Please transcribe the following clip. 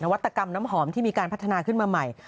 วัตกรรมน้ำหอมที่มีการพัฒนาขึ้นมาใหม่